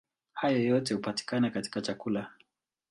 Hayo yote hupatikana katika chakula.